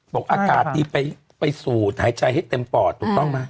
อากาศดีไปสูดหายใจให้เต็มปอดถูกต้องไหม